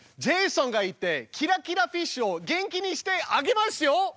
ジェイソンが行ってキラキラフィッシュを元気にしてあげますよ！